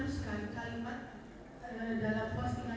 saudara tidak paham ya